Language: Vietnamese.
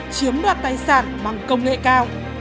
chiếm đoạt tài sản bằng công nghệ cao